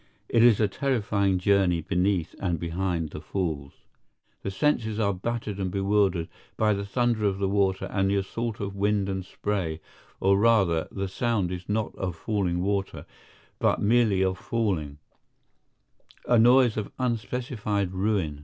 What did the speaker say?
It is a terrifying journey, beneath and behind the Falls. The senses are battered and bewildered by the thunder of the water and the assault of wind and spray; or rather, the sound is not of falling water, but merely of falling; a noise of unspecified ruin.